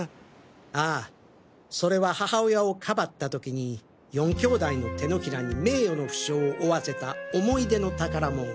あぁそれは母親をかばった時に４兄弟の手のひらに名誉の負傷を負わせた思い出の宝物。